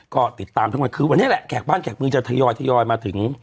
ก็ติดตามทั้งวันคือวันนี้แหละแขกบ้านแขกเมืองจะทยอยทยอยมาถึง